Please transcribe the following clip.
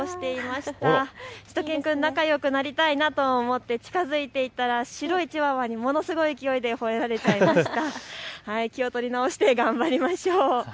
しゅと犬くん仲よくなりたいなと思って近づいていったら白いチワワにものすごい勢いでほえられちゃいました。